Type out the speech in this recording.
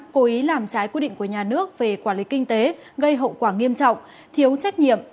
cố ý làm trái quy định của nhà nước về quản lý kinh tế gây hậu quả nghiêm trọng thiếu trách nhiệm